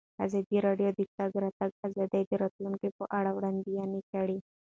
ازادي راډیو د د تګ راتګ ازادي د راتلونکې په اړه وړاندوینې کړې.